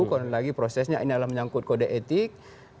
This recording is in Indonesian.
karena lagi prosesnya ini adalah menyangkut kode etik